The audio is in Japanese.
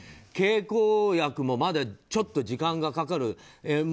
経口薬もまだちょっと時間がかかる。